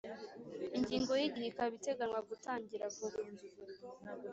Ingingo y’Igihe ikaba iteganywa gutangira vuba